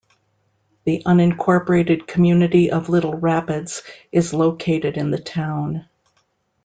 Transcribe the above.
The unincorporated community of Little Rapids is located in the town.